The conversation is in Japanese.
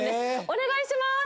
お願いします！